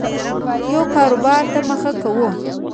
یو کاربار ته مخه کوو